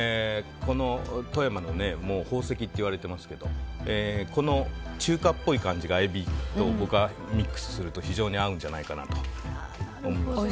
富山の宝石といわれてますけどこの中華っぽい感じがエビとミックスすると非常に合うんじゃないかなと思います。